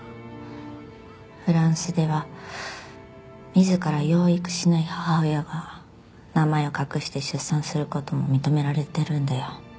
フランスでは自ら養育しない母親が名前を隠して出産する事も認められてるんだよ。